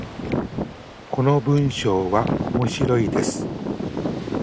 この文章は面白いです。